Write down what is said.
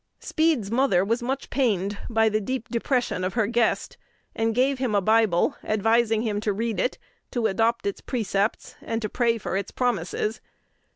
Speed's mother was much pained by the "deep depression" of her guest, and gave him a Bible, advising him to read it, to adopt its precepts, and pray for its promises.